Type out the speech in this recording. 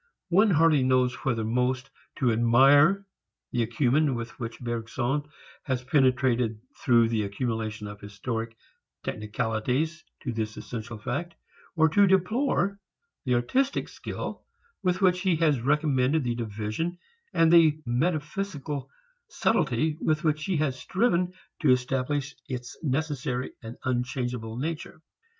One hardly knows whether most to admire the acumen with which Bergson has penetrated through the accumulation of historic technicalities to this essential fact, or to deplore the artistic skill with which he has recommended the division and the metaphysical subtlety with which he has striven to establish its necessary and unchangeable nature.